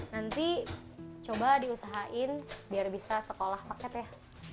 nanti coba diusahain biar bisa sekolah paket ya